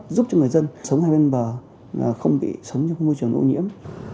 giúp cho người dân sống hai bên bờ không bị sống trong môi trường ô nhiễm